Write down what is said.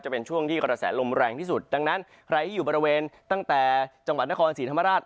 เป็นช่วงที่กระแสลมแรงที่สุดดังนั้นใครที่อยู่บริเวณตั้งแต่จังหวัดนครศรีธรรมราช